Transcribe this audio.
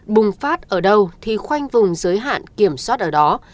bùng phát ở đâu thì khoanh vùng giới hạn kiểm soát ở đó